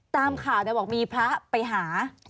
ตามข่าวแล้วบอกว่ามีพระไปหา